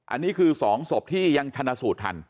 อันนี้คือ๒ศพที่ยังชนะสูตรทัน